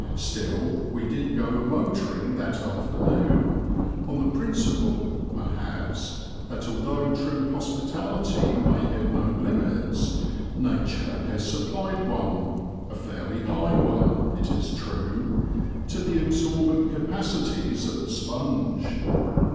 Still we did go a motoring that afternoon, on the principle, perhaps, that although true hospitality may have no limits, nature has supplied one, a fairly high one it is true, to the absorbent capacities of the sponge.